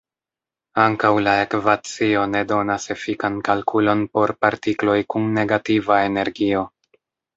Ankaŭ la ekvacio ne donas efikan kalkulon por partikloj kun negativa energio.